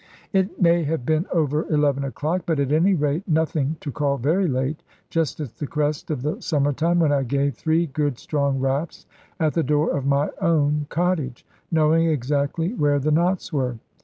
It may have been over eleven o'clock, but at any rate nothing to call very late, just at the crest of the summer time, when I gave three good strong raps at the door of my own cottage, knowing exactly where the knots were.